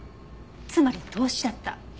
つまり凍死だった。